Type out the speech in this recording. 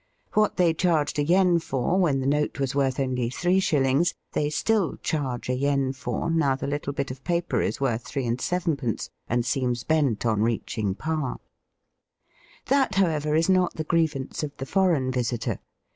What they charged a yen for when the note was worth only three shillings, they still charge a yen for now the Uttle bit of paper is worth three and sevenpence, and seems bent on reaching par. That, however, is not the grievance of the foreign visitor.